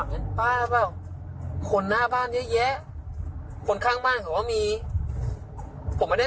เป็นป้าหรือเปล่าคนหน้าบ้านเยอะแยะคนข้างบ้านเขาก็มีผมไม่ได้